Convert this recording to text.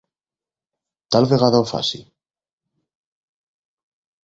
Tal vegada ho faci.